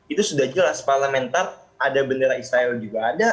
itu sudah jelas parlamentar ada bendera israel juga ada